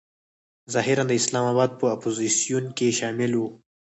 ظاهراً د اسلام آباد په اپوزیسیون کې شامل و.